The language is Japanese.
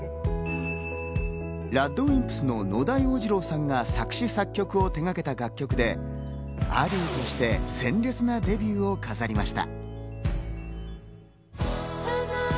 ＲＡＤＷＩＭＰＳの野田洋次郎さんが作詞・作曲を手がけた楽曲で、ａｄｉｅｕとして鮮烈なデビューを飾りました。